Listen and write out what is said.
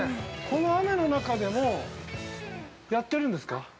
この雨の中でもやってるんですか。